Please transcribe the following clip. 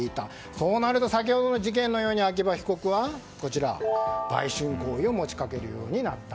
そうなると先ほどの事件のように秋葉被告は、売春行為を持ちかけるようになった。